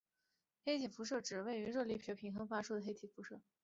黑体辐射指处于热力学平衡态的黑体发出的电磁辐射。